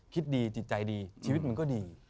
คิดดีจิตใจดีชีวิตมันก็ดี